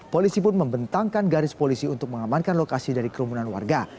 polisi pun membentangkan garis polisi untuk mengamankan lokasi dari kerumunan warga